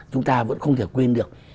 chúng ta vẫn không thể quên được